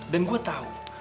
dan gue tau